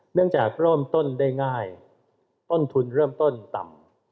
เนื่องจากเริ่มต้นได้ง่ายต้นทุนเริ่มต้นต่ำ